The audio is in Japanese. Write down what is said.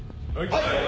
はい！